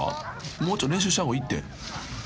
［もうちょい練習した方がいいって］